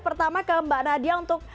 pertama ke mbak nadia untuk